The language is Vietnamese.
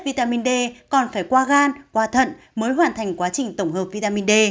vitamin d còn phải qua gan qua thận mới hoàn thành quá trình tổng hợp vitamin d